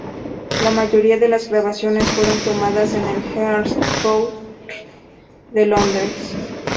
La mayoría de las grabaciones fueron tomadas en el Earls Court de Londres.